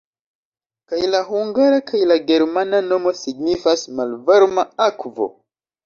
Kaj la hungara kaj la germana nomo signifas "malvarma akvo".